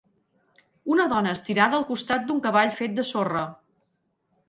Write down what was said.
Una dona estirada al costat d'un cavall fet de sorra.